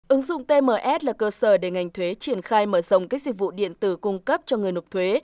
ứng dụng tms là cơ sở để ngành thuế triển khai mở rộng các dịch vụ điện tử cung cấp cho người nộp thuế